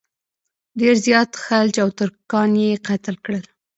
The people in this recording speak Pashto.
ډېر زیات خلج او ترکان یې قتل کړل.